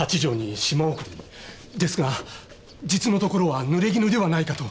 ですが実のところは濡れ衣ではないかと。